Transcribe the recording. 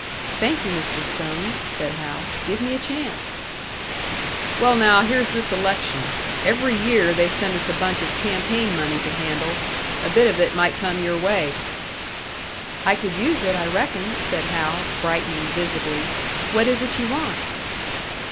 "Thank you, Mr. Stone," said Hal. "Give me a chance." "Well now, here's this election. Every year they send us a bunch of campaign money to handle. A bit of it might come your way." "I could use it, I reckon," said Hal, brightening visibly. "What is it you want?"